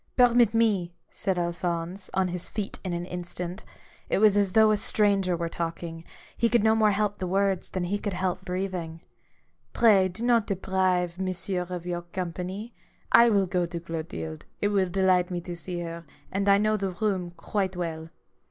" Permit me I " said Alphonse, on his feet in an instant. It was as though a stranger were talking: he comd no more help the words than he could help breathing. " Pray do not deprive Monsieur of your company. I will go to Clotilde; it will delight me to see her, and I know the room quite well."